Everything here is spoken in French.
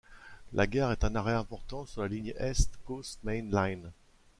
La gare est un arrêt important sur la ligne East Coast Main Line.